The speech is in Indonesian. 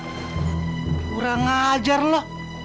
kurang ngajar lu